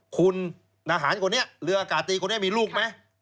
คุณอาหารคนเนี่ยเรืออากาศตรีคนเนี่ยมีลูกไหม